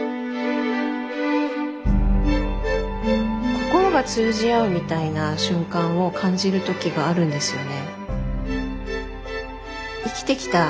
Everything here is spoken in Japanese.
心が通じ合うみたいな瞬間を感じる時があるんですよね。